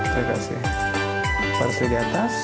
saya kasih parsley diatas